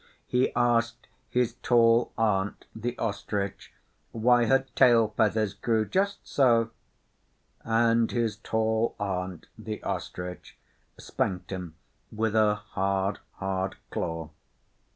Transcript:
He asked his tall aunt, the Ostrich, why her tail feathers grew just so, and his tall aunt the Ostrich spanked him with her hard, hard claw.